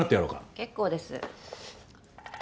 結構です。